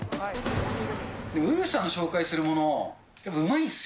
でもウルフさんの紹介するもの、やっぱりうまいんっすよ。